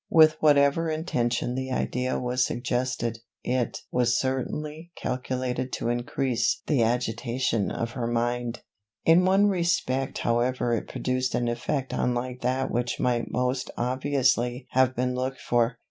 With whatever intention the idea was suggested, it was certainly calculated to increase the agitation of her mind. In one respect however it produced an effect unlike that which might most obviously have been looked for.